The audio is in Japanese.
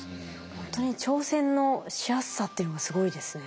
ほんとに挑戦のしやすさっていうのがすごいですね。